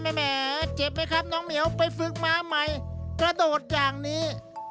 แหมเจ็บไหมครับน้องเหมียวไปฝึกม้าใหม่กระโดดอย่างนี้